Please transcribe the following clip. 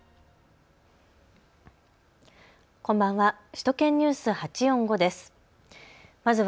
こんばんは。